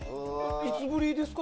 いつぶりですか？